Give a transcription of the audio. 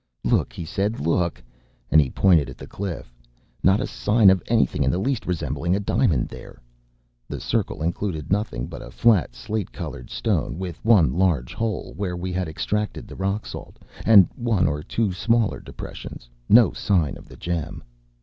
“Look!” he said, “look!” and he pointed at the cliff. Not a sign of anything in the least resembling a diamond there. The circle included nothing but a flat slate coloured stone, with one large hole, where we had extracted the rock salt, and one or two smaller depressions. No sign of the gem.